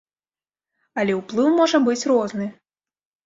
Але ўплыў можа быць розны.